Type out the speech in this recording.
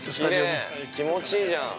◆気持ちいいじゃん。